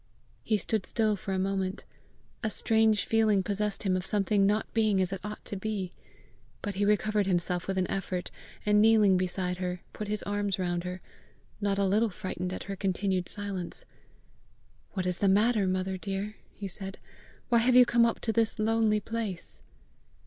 He stood still for a moment; a strange feeling possessed him of something not being as it ought to be. But he recovered himself with an effort, and kneeling beside her, put his arms round her not a little frightened at her continued silence. "What is the matter, mother dear?" he said. "Why have you come up to this lonely place?"